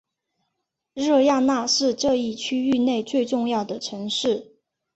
热那亚是这一区域内最重要的城市。